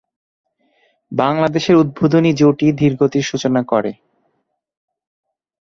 বাংলাদেশের উদ্বোধনী জুটি ধীরগতির সূচনা করে।